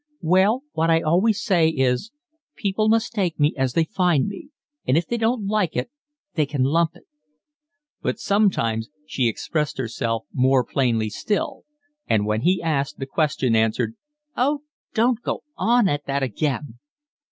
"Well, what I always say is, people must take me as they find me, and if they don't like it they can lump it." But sometimes she expressed herself more plainly still, and, when he asked the question, answered: "Oh, don't go on at that again."